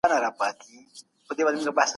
هغه په مځکي کي کار کوی او بريالی سو.